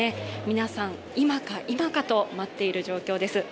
皆さん、今か今かと待っている状況です。